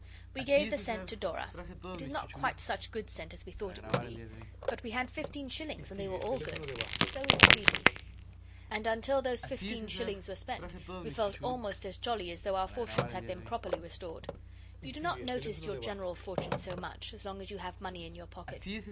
We gave the scent to Dora. It is not quite such good scent as we thought it would be, but we had fifteen shillings and they were all good, so is the G. B. And until those fifteen shillings were spent we felt almost as jolly as though our fortunes had been properly restored. You do not notice your general fortune so much, as long as you have money in your pocket.